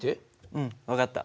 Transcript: うん分かった。